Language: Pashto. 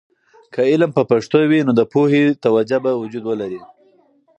که علم په پښتو وي، نو د پوهې توجه به وجود ولري.